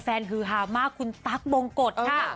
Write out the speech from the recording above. แฟนฮื้อหามากคุณต๊อกโบงกฎค่ะ